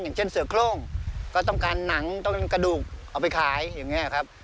อย่างเช่นเสือโครงก็ต้องการหนังต้องกระดูกเอาไปขายอย่างนี้ครับ